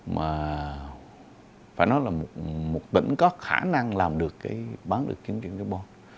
mà phải nói là một tỉnh có khả năng làm được bán được tính trị carbon